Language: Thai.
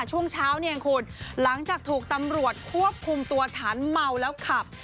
ช่วงเช้าเนี่ยเองคุณหลังจากถูกตำรวจควบคุมตัวฐานเมาแล้วขับ